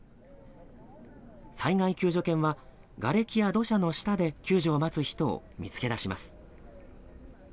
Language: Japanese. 災害救助犬は、がれきや土砂の下で救助を待つ人を見つけ出します。